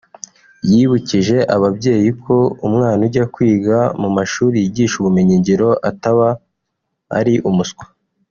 yibukije ababyeyi ko umwana ujya kwiga mu mashuri yigisha ubumenyingiro ataba ari umuswa